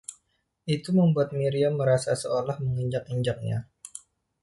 Itu membuat Miriam merasa seolah menginjak-injaknya.